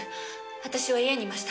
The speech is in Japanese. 私は家にいました。